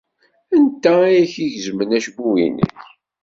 Anta ay ak-igezmen acebbub-nnek?